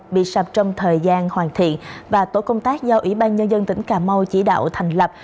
bị sập trong thời gian hoàn thiện và tổ công tác do ủy ban nhân dân tỉnh cà mau chỉ đạo thành lập